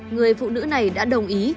người phụ nữ này đã đồng ý